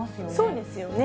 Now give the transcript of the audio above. そうですよね。